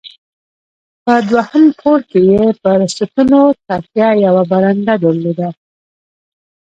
په دوهم پوړ کې یې پر ستنو تکیه، یوه برنډه درلوده.